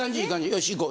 よしいこう。